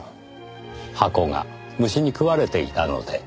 箱が虫に食われていたので。